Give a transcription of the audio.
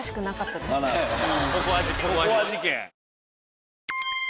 ココア事件！